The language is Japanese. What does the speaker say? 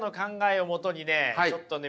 ちょっとね